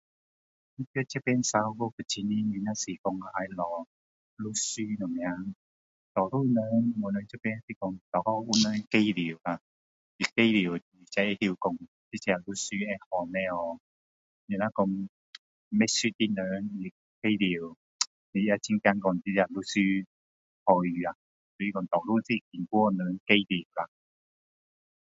我们这边 sarawak 如果要找律师的话多数我们这边是说比较常我们是叫人介绍啦会知道说这个律师好还是不好不能说会认识的人介绍你很怕说那个律师说会好吗所以多数说是经过人介绍啦